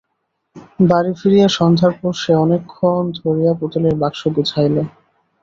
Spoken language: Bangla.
বাড়ি ফিরিয়া সন্ধ্যার পর সে অনেকক্ষণ ধরিয়া পুতুলের বাক্স গোছাইল।